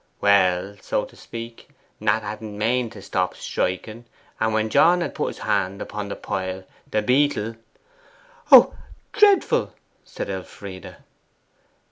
'Well, so to speak, Nat hadn't maned to stop striking, and when John had put his hand upon the pile, the beetle ' 'Oh dreadful!' said Elfride.